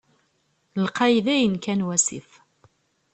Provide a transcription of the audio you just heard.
Lqay dayen kan wasif.